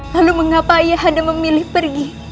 lalu mengapa ayah ada memilih pergi